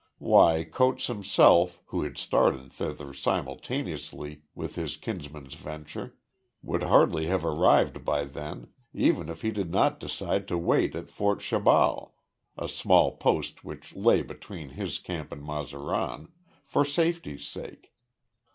Why, Coates himself, who had started thither simultaneously with his kinsman's venture, would hardly have arrived by then, even if he did not decide to wait at Fort Shabal, a small post which lay between his camp and Mazaran for safety's sake.